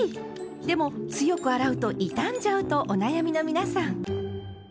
でも強く洗うと傷んじゃうとお悩みの皆さん。